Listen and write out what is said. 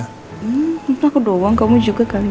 hmm entah aku doang kamu juga kali mas